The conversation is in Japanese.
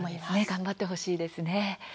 頑張ってほしいですね。